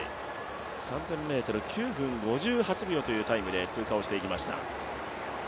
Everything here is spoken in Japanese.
３０００ｍ、９分５８秒というタイムで通過をしていきました。